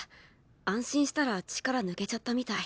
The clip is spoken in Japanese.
安心したら力抜けちゃったみたい。